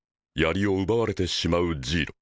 槍を奪われてしまうジイロ。